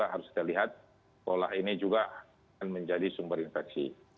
harus kita lihat sekolah ini juga akan menjadi sumber infeksi